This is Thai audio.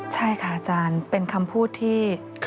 ใช่ค่ะอาจารย์เป็นคำพูดที่